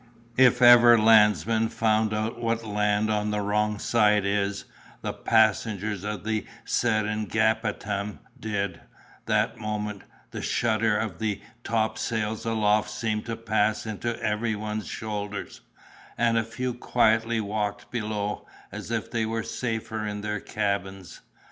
If ever landsmen found out what land on the wrong side is, the passengers of the Seringapatam did, that moment; the shudder of the topsails aloft seemed to pass into every one's shoulders, and a few quietly walked below, as if they were safer in their cabins.